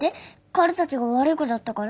薫たちが悪い子だったから？